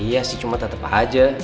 iya sih cuma tetap aja